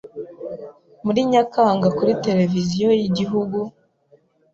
muri Nyakanga kuri televiziyo y’igihugu,